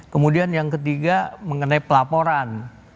kemudian yang ketiga mengenai pelaporan